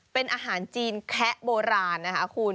เป็นอาหารจีนแคะโบราณนะคะคุณ